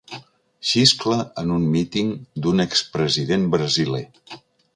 Xiscla en un míting d'un ex president brasiler.